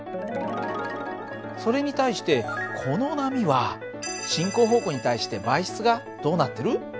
それに対してこの波は進行方向に対して媒質がどうなってる？